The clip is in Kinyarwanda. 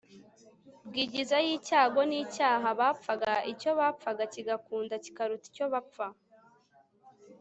bwigizayo icyago n'icyaha bapfaga. icyo bapfana kigakunda kikaruta icyo bapfa